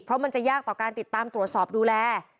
เพราะมันจะยากต่อการติดตามตรวจสอบดูแล